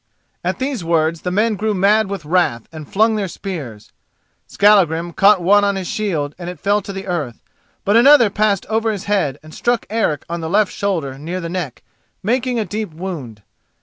At these words the men grew mad with wrath, and flung their spears. Skallagrim caught one on his shield and it fell to the earth, but another passed over his head and struck Eric on the left shoulder, near the neck, making a deep wound.